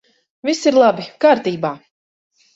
Viss ir labi! Kārtībā!